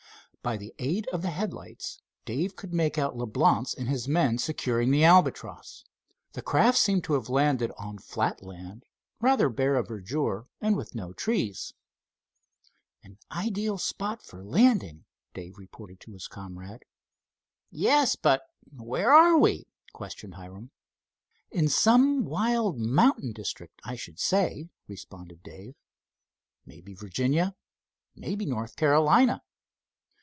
By the aid of the headlights Dave could make out Leblance and his men securing the Albatross. The craft seemed to have landed on flat land rather bare of verdure and with no trees. "An ideal spot for landing," Dave reported to his comrade. "Yes, but where are we?" questioned Hiram. "In some wild mountain district, I should say," responded Dave—"maybe Virginia, maybe North Carolina."